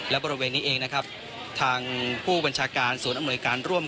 และบริเวณนี้เองนะครับทางผู้บัญชาการศูนย์อำนวยการร่วม